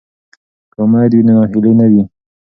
که امید وي نو ناهیلي نه وي.